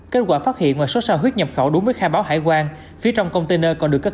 kết quả phát hiện ngoài số xà huyết nhập khẩu đúng với khai báo hải quan phía trong container còn được các